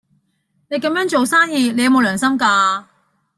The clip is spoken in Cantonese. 你咁樣做生意，你有冇良心㗎？